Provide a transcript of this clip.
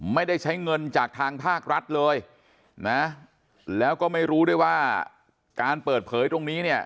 ไม่ได้ใช้เงินจากทางภาครัฐเลยนะแล้วก็ไม่รู้ด้วยว่าการเปิดเผยตรงนี้เนี่ย